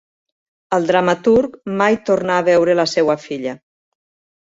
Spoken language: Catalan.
El dramaturg mai tornà a veure la seva filla.